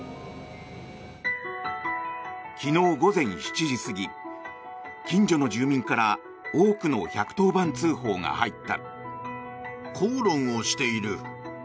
昨日午前７時過ぎ近所の住民から多くの１１０番通報が入った。